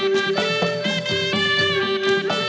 สวัสดีครับ